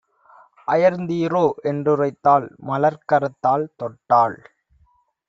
"அயர்ந்தீரோ" என்றுரைத்தாள்! மலர்க்கரத்தாள் தொட்டாள்!